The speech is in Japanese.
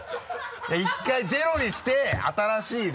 １回ゼロにして新しいね。